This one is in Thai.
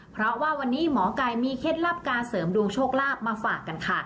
เพราะว่าวันนี้หมอไก่มีเคล็ดลับการเสริมดวงโชคลาภมาฝากกันค่ะ